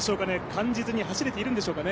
感じずに走れているんでしょうか？